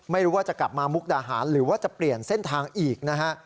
ไม่รู้ว่าจะกลับมามุกดาหารหรือว่าจะเปลี่ยนเส้นทางอีกนะฮะ